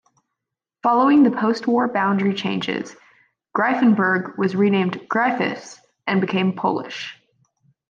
Following the post-war boundary changes, Greifenberg was renamed "Gryfice" and became Polish.